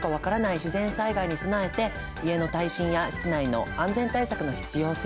自然災害に備えて家の耐震や室内の安全対策の必要性